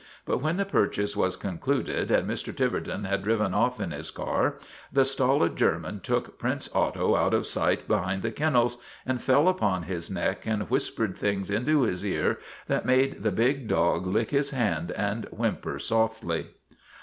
But when the purchase was concluded and Mr. Tiverton had driven off in his car, the stolid German took Prince Otto out of sight behind the kennels and fell upon his neck and whispered things into his ear that made the big dog lick his hand and whimper softly.